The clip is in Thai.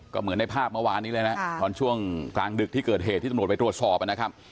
ก็เหมือนในภาพเมื่อวานนี้เลยนะตอนช่วงกลางดึกที่เกิดเหตุที่ตำรวจไปตรวจสอบนะครับ